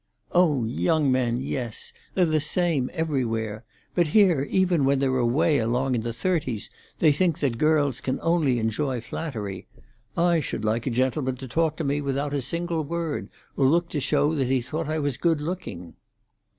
"Oh, young men, yes! They're the same everywhere. But here, even when they're away along in the thirties, they think that girls can only enjoy flattery. I should like a gentleman to talk to me without a single word or look to show that he thought I was good looking."